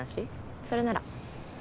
それなら。